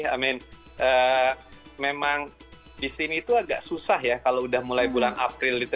i mean memang di sini itu agak susah ya kalau udah mulai bulan april itu